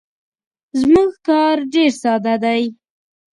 زموږ کار ډیر ساده دی.